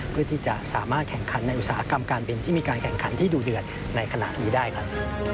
เพื่อที่จะสามารถแข่งขันในอุตสาหกรรมการบินที่มีการแข่งขันที่ดูเดือดในขณะนี้ได้ครับ